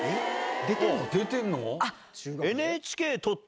出てんの？